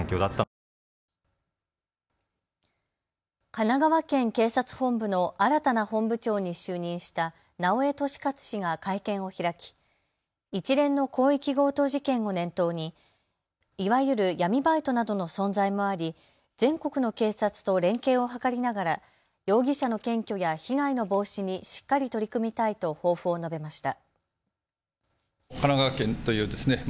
神奈川県警察本部の新たな本部長に就任した直江利克氏が会見を開き一連の広域強盗事件を念頭にいわゆる闇バイトなどの存在もあり全国の警察と連携を図りながら容疑者の検挙や被害の防止にしっかり取り組みたいと抱負を述べました。